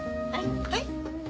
はい？